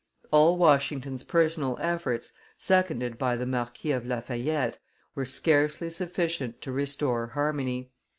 All Washington's personal efforts, seconded by the Marquis of La Fayette, were scarcely sufficient to restore harmony.